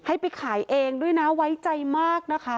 ให้ไปขายเองด้วยนะไว้ใจมากนะคะ